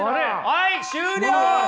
はい終了！